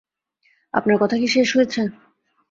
আপনার কথা কি শেষ হয়েছে?